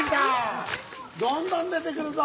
どんどん出てくるぞ！